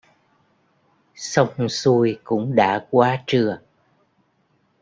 Xong xuôi cũng đã quá trưa